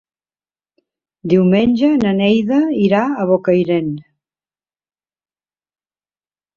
Diumenge na Neida irà a Bocairent.